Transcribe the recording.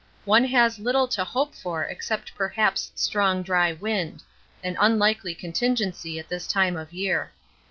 One has little to hope for except perhaps strong dry wind an unlikely contingency at this time of year.